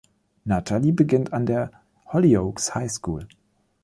Natalie beginnt an der Hollyoaks High School.